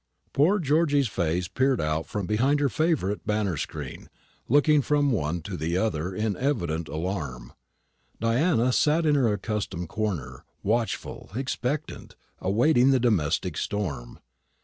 Poor Georgy's face peered out from behind her favourite banner screen, looking from one to the other in evident alarm. Diana sat in her accustomed corner, watchful, expectant, awaiting the domestic storm.